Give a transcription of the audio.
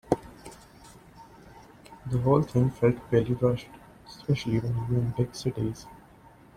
The whole thing felt really rushed, especially when we were in big cities.